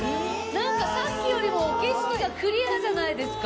なんかさっきよりも景色がクリアじゃないですか？